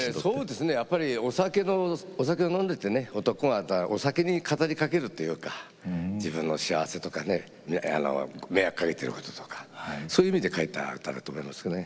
やっぱりお酒を飲んでてね男がお酒に語りかけるっていうか自分の幸せとかね迷惑かけてることとかそういう意味で書いた歌だと思いますね。